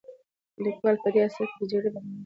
لیکوال په دې اثر کې د جګړې بدمرغۍ بیانوي.